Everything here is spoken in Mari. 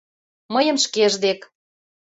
Мыйым шкеж дек.